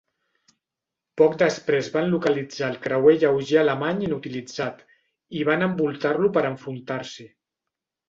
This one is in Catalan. Poc després van localitzar el creuer lleuger alemany inutilitzat i van envoltar-lo per enfrontar-s'hi.